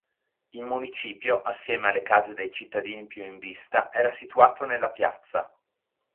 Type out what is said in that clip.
Il municipio, assieme alle case dei cittadini più in vista, era situato nella piazza.